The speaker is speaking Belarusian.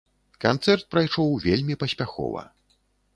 Канцэрт прайшоў вельмі паспяхова.